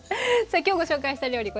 さあ今日ご紹介した料理